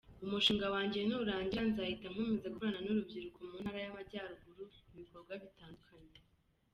Umushinga wanjye nurangira nzahita nkomeza gukorana n’urubyiruko mu Ntara y’Amajyaruguru ibikorwa bitandukanye.